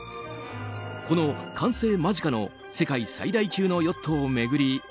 この完成間近の世界最大級のヨットを巡り